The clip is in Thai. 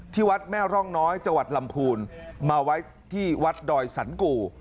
ที่วัดแม่ร่องน้อยจังหวัดลำพูนมาไว้ที่วัดดอยสันกู